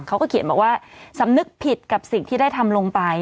เขาก็เขียนบอกว่าสำนึกผิดกับสิ่งที่ได้ทำลงไป